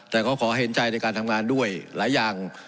แต่ก็ขอเห็นใจในการทำงานด้วยหลายอย่าง